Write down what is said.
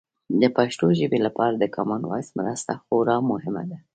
د پښتو ژبې لپاره د کامن وایس مرسته خورا مهمه ده.